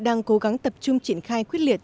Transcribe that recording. đang cố gắng tập trung triển khai quyết liệt